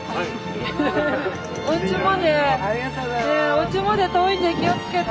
おうちまで遠いんで気をつけて。